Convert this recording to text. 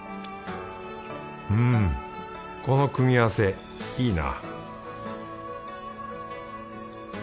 うんこの組み合わせいいな